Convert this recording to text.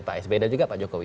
pak esbeda juga pak jokowi